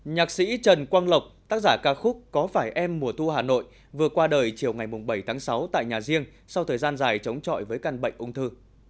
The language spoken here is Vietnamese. nhạc sĩ trần quang lộc tác giả ca khúc có phải em mùa thu hà nội vừa qua đời chiều ngày bảy tháng sáu tại nhà riêng sau thời gian dài chống trọi với căn bệnh ung thư